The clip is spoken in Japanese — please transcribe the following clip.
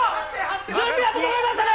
準備は整いましたね。